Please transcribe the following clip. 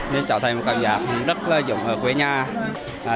nên trở thành một cảm giác rất là dũng ở quê nhà